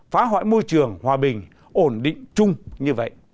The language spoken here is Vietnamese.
phá hoại môi trường hòa bình ổn định chung như vậy